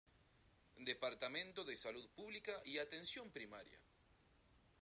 Departamento de Salud Pública y Atención Primaria.